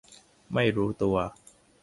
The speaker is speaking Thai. ไม่รู้ตัว